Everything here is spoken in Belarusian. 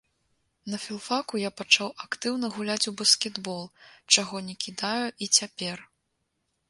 На філфаку я пачаў актыўна гуляць у баскетбол, чаго не кідаю і цяпер.